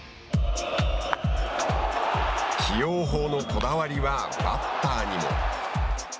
起用法のこだわりはバッターにも。